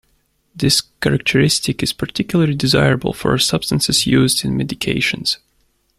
This characteristic is particularly desirable for substances used in medications.